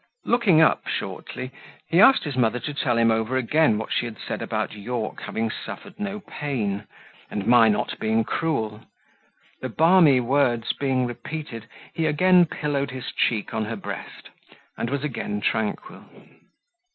Looking up, shortly, he asked his mother to tell him over again what she had said about Yorke having suffered no pain, and my not being cruel; the balmy words being repeated, he again pillowed his cheek on her breast, and was again tranquil.